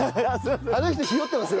あの人ヒヨってますね。